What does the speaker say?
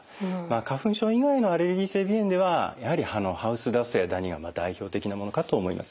花粉症以外のアレルギー性鼻炎ではやはりハウスダストやダニが代表的なものかと思います。